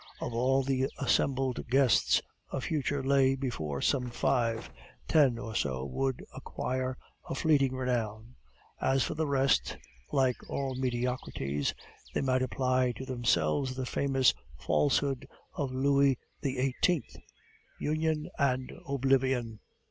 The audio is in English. Of all the assembled guests, a future lay before some five; ten or so should acquire a fleeting renown; as for the rest, like all mediocrities, they might apply to themselves the famous falsehood of Louis XVIII., Union and oblivion.